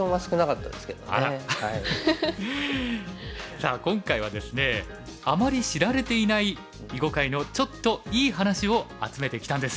さあ今回はですねあまり知られていない囲碁界の“ちょっと”いい話を集めてきたんです。